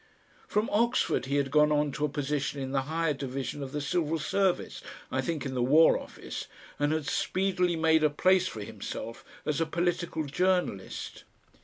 From Oxford he had gone on to a position in the Higher Division of the Civil Service, I think in the War Office, and had speedily made a place for himself as a political journalist.